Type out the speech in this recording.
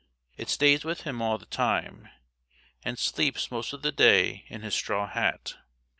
It stays with him all the time, and sleeps most of the day in his straw hat.